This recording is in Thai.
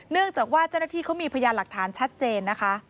เนื่องจากว่าเจ้าหน้าที่มีพยานหลักฐานชัดเจน